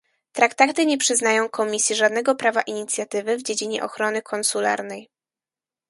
Traktaty nie przyznają Komisji żadnego prawa inicjatywy w dziedzinie ochrony konsularnej